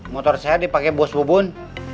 motor saya dipake bos bubun